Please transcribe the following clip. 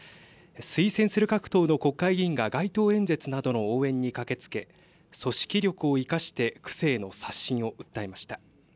推薦する各党の国会議員が街頭演説などの応援に駆けつけ、組織力を生かして、区政の刷新を訴えました。